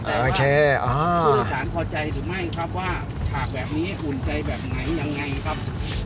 แต่โอเคผู้โดยสารพอใจหรือไม่ครับว่าฉากแบบนี้อุ่นใจแบบไหนยังไงครับ